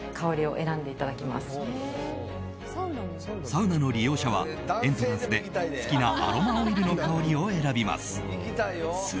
サウナの利用者はエントランスで好きなアロマオイルの香りを選びます。